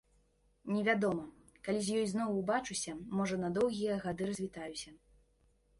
Невядома, калі з ёй зноў убачуся, можа, на доўгія гады развітаюся.